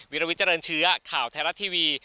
วิลวิเจริญเชื้อข่าวไทยรัฐทีวี